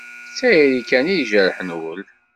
D tayri kan i ijerrḥen ul.